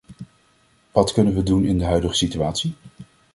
Wat kunnen we doen in de huidige situatie?